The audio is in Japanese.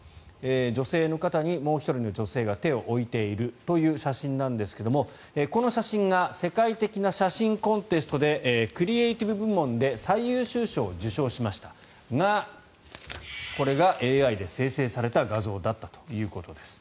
女性の方にもう１人の女性が手を置いているという写真ですがこの写真が世界的な写真コンテストでクリエーティブ部門で最優秀賞を受賞しましたがこれがＡＩで生成された画像だったということです。